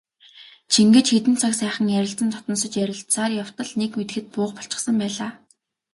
Чингэж хэдэн цаг сайхан ярилцан дотносож ярилцсаар явтал нэг мэдэхэд буух болчихсон байлаа.